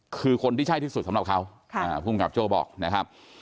คือคนที่ใช่ที่สุดสำหรับเขาภูมิกับโจ้บอกนะครับ